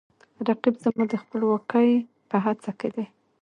رقیب زما د خپلواکۍ په هڅه کې دی